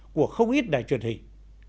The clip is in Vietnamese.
của không ít đài truyền hình